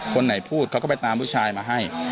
คนไหนพูดเขาก็ไปตามผู้ชายมาให้